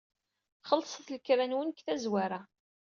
Xellṣet lekra-nwen seg tazwara.